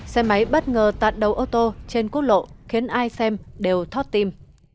xe máy bất ngờ tạt đầu ô tô trên quốc lộ khiến ai xem đều thót tim